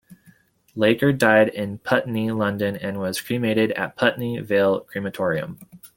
Laker died in Putney, London, and was cremated at Putney Vale Crematorium.